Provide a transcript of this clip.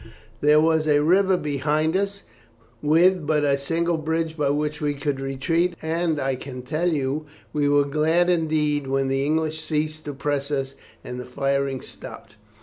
There was a river behind us with but a single bridge by which we could retreat, and I can tell you we were glad indeed when the English ceased to press us and the firing stopped.